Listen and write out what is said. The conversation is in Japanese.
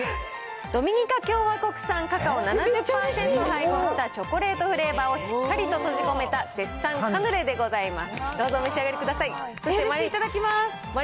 ドミニカ共和国産カカオを７０％配合した、チョコレートフレーバーをしっかりと閉じ込めた、絶賛、カヌレでございます。